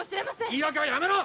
言い訳はやめろ！